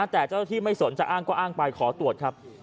แต่เจ้าที่ไม่สนจะอ้างก็อ้างไปขอตรวจครับ